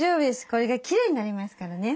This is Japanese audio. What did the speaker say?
これがきれいになりますからね。